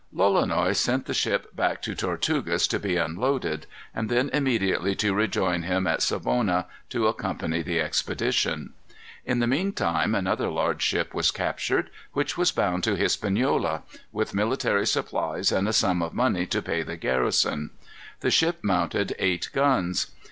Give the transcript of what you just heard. Lolonois sent the ship back to Tortugas to be unloaded, and then immediately to rejoin him at Savona, to accompany the expedition. In the mean time another large ship was captured, which was bound to Hispaniola with military supplies and a sum of money to pay the garrison. The ship mounted eight guns.